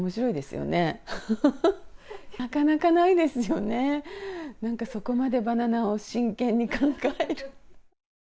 なかなかないですよね、なんかそこまでバナナを真剣に考える。